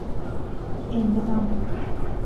E empezamos.